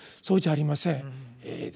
そうじゃありません。